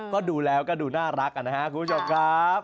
ก็ดูแล้วก็ดูน่ารักนะครับคุณผู้ชมครับ